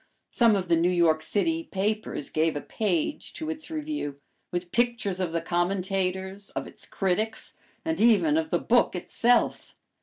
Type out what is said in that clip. Some of the New York city papers gave a page to its review, with pictures of the commentators, of its critics, and even of the book itself.